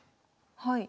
はい。